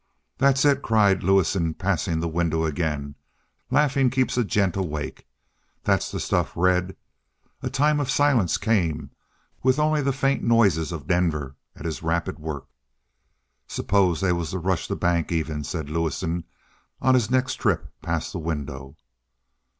"That's it!" cried Lewison, passing the window again. "Laughin' keeps a gent awake. That's the stuff, Red!" A time of silence came, with only the faint noises of Denver at his rapid work. "Suppose they was to rush the bank, even?" said Lewison on his next trip past the window.